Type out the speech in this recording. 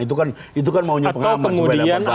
itu kan itu kan maunya pengamat supaya ada perubahan